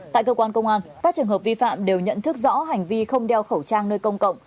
tại cơ quan công an các trường hợp vi phạm đều nhận thức rõ hành vi không đeo khẩu trang nơi công cộng